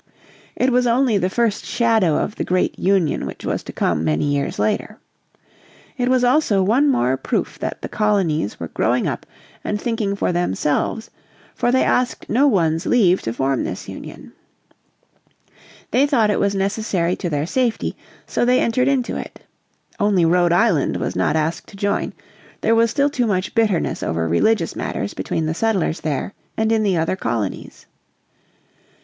It was only the first shadow of the great Union which was to come many years later. It was also one more proof that the colonies were growing up and thinking for themselves for they asked no one's leave to form this union. They thought it was necessary to their safety, so they entered into it. Only Rhode Island was not asked to join; there was still too much bitterness over religious matters between the settlers there and in the other colonies.